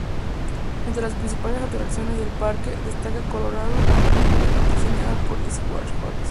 Entre las principales atracciones del parque, destaca Colorado Adventure, diseñada por Schwarzkopf.